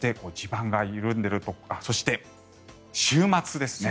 そして、週末ですね。